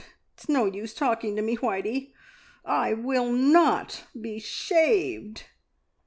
It's no use talking to me, Whitey; I will not be shaved!"